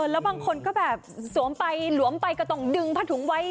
แล้วบางคนก็แบบสวมไปหลวมไปก็ต้องดึงผ้าถุงไว้